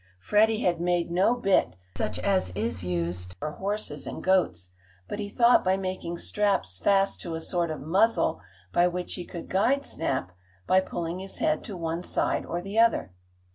Freddie had made no bit, such as is used for horses and goats, but he thought by making straps fast to a sort of muzzle by which he could guide Snap, by pulling his head to one side or the other.